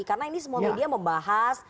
karena ini semua media membahas